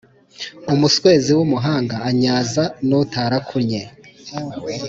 Umuswezi w’umuhanga anyaza n’utarakunnye.